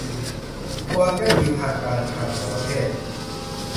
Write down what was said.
ความยั่งยืนทางการคลังของประเทศ